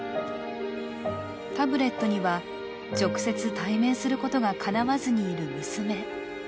タブレットには直接、対面することがかなわずにいる娘。